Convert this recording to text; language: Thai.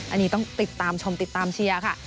อันนี้ต้องติดตามชมติดตามเชียร์ค่ะ